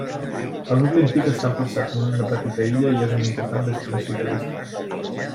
El nucli antic està emplaçat en una petita illa i és una important destinació turística.